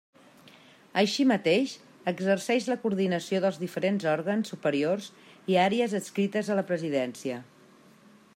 Així mateix, exerceix la coordinació dels diferents òrgans superiors i àrees adscrites a la Presidència.